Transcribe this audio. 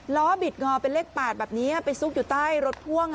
บิดงอเป็นเลข๘แบบนี้ไปซุกอยู่ใต้รถพ่วง